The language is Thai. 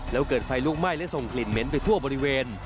แล้วเกิดไฟลุกไหม้และส่งกลิ่นเหม็นไปทั่วบริเวณ